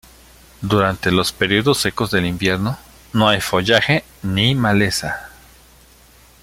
Durante los periodos secos del invierno no hay follaje ni maleza.